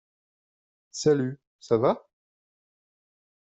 Salut, ça va?